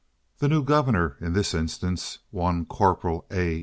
The new governor in this instance—one Corporal A.